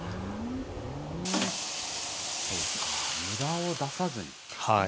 むだを出さずに。